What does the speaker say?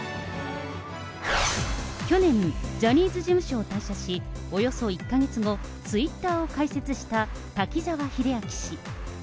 去年、ジャニーズ事務所を退社し、およそ１か月後、ツイッターを開設した滝沢秀明氏。